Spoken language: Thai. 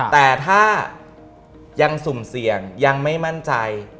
แต่ถ้ายังสุ่มเสี่ยงยังไม่มั่นใจ